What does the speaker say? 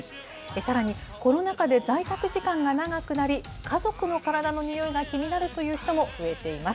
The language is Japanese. さらに、コロナ禍で在宅時間が長くなり、家族の体のにおいが気になるという人も増えています。